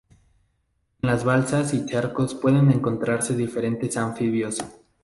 En las balsas y charcos pueden encontrarse diferentes anfibios.